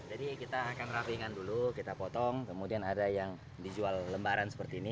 jadi kita akan rapingan dulu kita potong kemudian ada yang dijual lembaran seperti ini